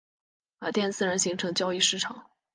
马甸自然形成交易市场。